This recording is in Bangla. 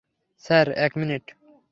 স্যার, এক মিনিট।